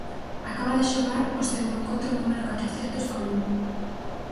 Acaba de xogar o seu encontro número catrocentos co Lugo.